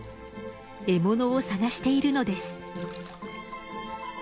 獲物を探しているのです。